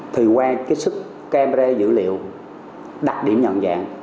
thì qua kích sức camera dữ liệu đặt điểm nhận dạng